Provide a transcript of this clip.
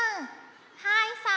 はいさい。